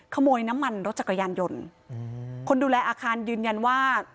คนดูแลอาคารยืนยันว่า